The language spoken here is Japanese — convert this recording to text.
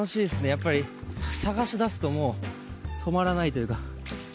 やっぱり探し出すともう止まらないというか。